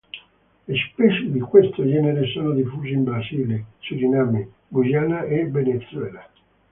Le specie di questo genere sono diffuse in Brasile, Suriname, Guyana e Venezuela.